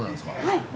はい。